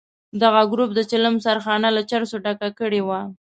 دغه ګروپ د چلم سرخانه له چرسو ډکه کړې وه.